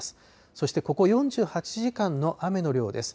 そしてここ４８時間の雨の量です。